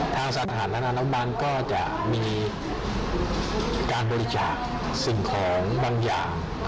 ทางสถานนาน้ำมันก็จะมีการบริจาคสิ่งของบางอย่าง